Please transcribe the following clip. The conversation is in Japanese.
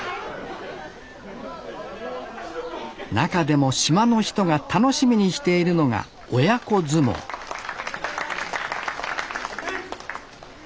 中でも島の人が楽しみにしているのが親子相撲始め！